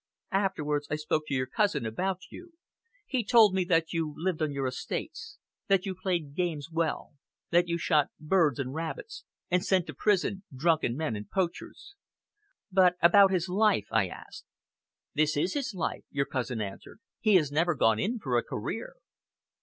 "Afterwards I spoke to your cousin about you. He told me that you lived on your estates, that you played games well, that you shot birds and rabbits, and sent to prison drunken men and poachers. 'But about his life?' I asked. 'This is his life,' your cousin answered. 'He has never gone in for a career!'"